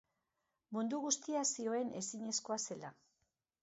Mundu guztiak zioen ezinezkoa zela.